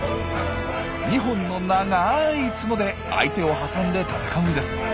２本の長い角で相手を挟んで戦うんです。